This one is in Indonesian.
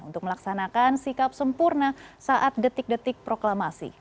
untuk melaksanakan sikap sempurna saat detik detik proklamasi